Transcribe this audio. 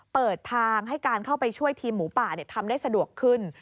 เปิดทางให้การเข้าไปช่วยทีมหมูป่าทำได้สะดวกขึ้น